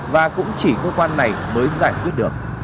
và cũng chỉ cơ quan này mới giải quyết được